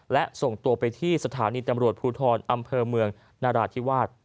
และส่งตัวไปที่สถานีตำรวจภูทรอำเภอเมืองนราธิวาส